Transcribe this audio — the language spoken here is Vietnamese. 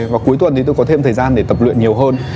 và cuối tuần thì tôi có thêm thời gian để tập luyện nhiều hơn